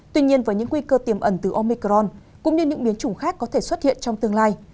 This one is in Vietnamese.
tuy nhiên với những nguy cơ tiềm ẩn từ omicron cũng như những biến chủng khác có thể xuất hiện trong tương lai